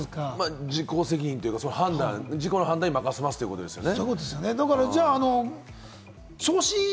自己責任っていうか、自己の判断に任せますってことですよね。